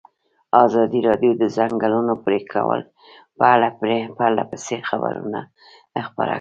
ازادي راډیو د د ځنګلونو پرېکول په اړه پرله پسې خبرونه خپاره کړي.